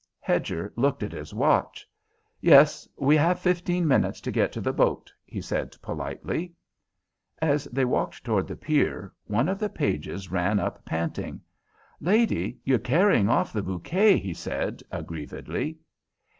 Hedger looked at his watch. "Yes, we have fifteen minutes to get to the boat," he said politely. As they walked toward the pier, one of the pages ran up panting. "Lady, you're carrying off the bouquet," he said, aggrievedly.